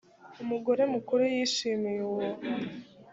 umugore mukuru yishimiye uwo